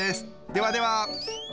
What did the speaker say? ではでは！